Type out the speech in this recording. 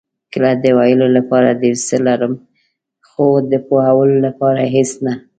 کله د ویلو لپاره ډېر څه لرم، خو د پوهولو لپاره هېڅ نه.